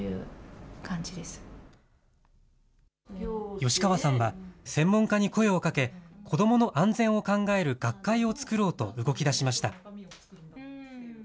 吉川さんは、専門家に声をかけ、子どもの安全を考える学会を作ろうと動きだしました。